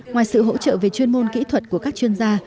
ngoài sự hỗ trợ về chuyên môn kỹ thuật của các chuyên gia